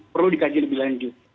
perlu dikaji lebih lanjut